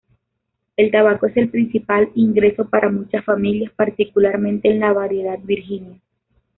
El tabaco es el principal ingreso para muchas familias, particularmente en la variedad Virginia.